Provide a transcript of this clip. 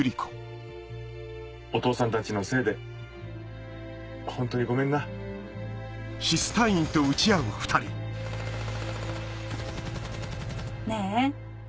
お父さんたちのせいで本当にごめんな。ねぇ。